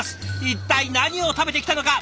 一体何を食べてきたのか？